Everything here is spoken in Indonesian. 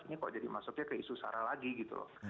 ini kok jadi masuknya ke isu sara lagi gitu loh